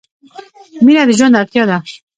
• مینه د ژوند اړتیا ده.